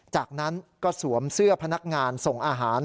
จากนั้นก็สวมเสื้อพนักงานส่งอาหาร